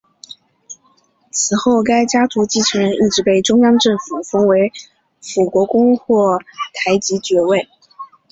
此后该家族继承人一直被中央政府封为辅国公或台吉爵位。